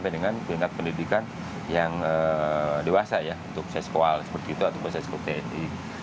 dengan keingkat pendidikan yang dewasa ya untuk ses kual seperti itu atau ses kualitas sdm